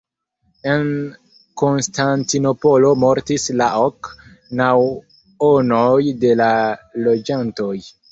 En Konstantinopolo mortis la ok naŭonoj de la loĝantoj.